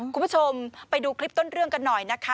คุณผู้ชมไปดูคลิปต้นเรื่องกันหน่อยนะคะ